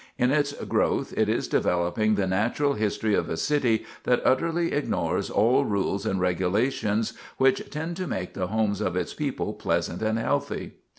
In its growth it is developing the natural history of a city that utterly ignores all rules and regulations which tend to make the homes of its people pleasant and healthy.